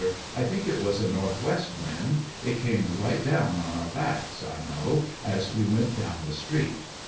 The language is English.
I think it was a northwest wind ; it came right down on our backs, I know, as we went down the street.